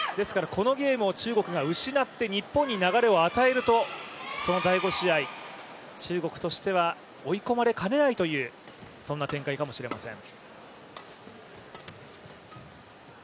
このゲームを中国が失って日本に流れを与えるとその第５試合、中国としては追い込まれかねないという展開かもしれません。